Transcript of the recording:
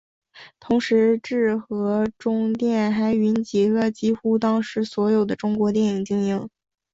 同时中制和中电还云集了几乎当时所有的中国电影精英。